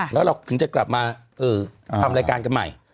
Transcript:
แล้วเราถึงจะกลับมาทำรายการกันใหม่